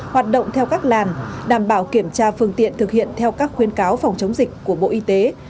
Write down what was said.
hoạt động theo các làn đảm bảo kiểm tra phương tiện thực hiện theo các khuyến cáo phòng chống dịch của bộ y tế